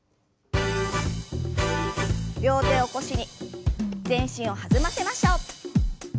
両手を腰に全身を弾ませましょう。